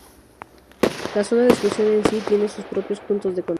La zona de exclusión en sí tiene sus propios puntos de control.